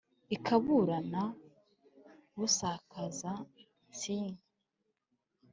ikaburana busakaza-nsike